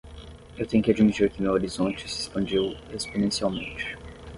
Eu tenho que admitir que meu horizonte se expandiu exponencialmente.